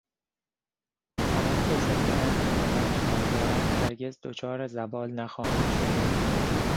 آنان که زندهاند و به من ایمان دارند هرگز دچار زوال نخواهند شد.